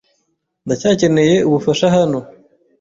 Ndacyakeneye ubufasha hano.